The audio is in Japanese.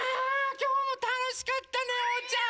きょうもたのしかったねおうちゃん！